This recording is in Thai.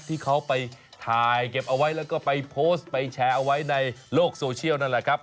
ที่เขาไปถ่ายเก็บเอาไว้แล้วก็ไปโพสต์ไปแชร์เอาไว้ในโลกโซเชียลนั่นแหละครับ